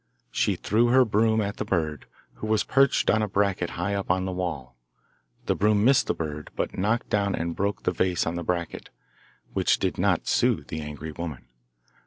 She threw her broom at the bird, who was perched on a bracket high up on the wall. The broom missed the bird, but knocked down and broke the vase on the bracket, which did not soothe the angry woman.